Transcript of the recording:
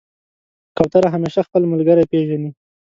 کوتره همیشه خپل ملګری پېژني.